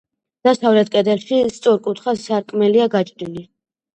დასავლეთ კედელში სწორკუთხა სარკმელია გაჭრილი.